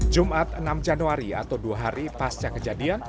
jumat enam januari atau dua hari pasca kejadian